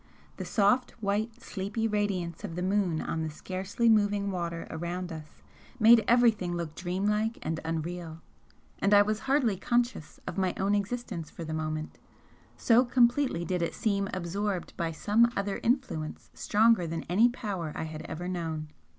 The soft white sleepy radiance of the moon on the scarcely moving water around us made everything look dream like and unreal, and I was hardly conscious of my own existence for the moment, so completely did it seem absorbed by some other influence stronger than any power I had ever known.